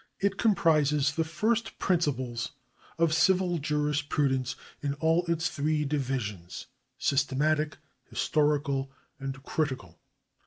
It comprises the first principles of civil jurisprudence in all its three divisions, systematic, historical, and critical.